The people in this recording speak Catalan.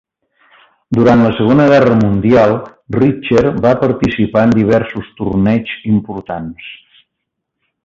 Durant la Segona Guerra Mundial, Richter va participar en diversos torneigs importants.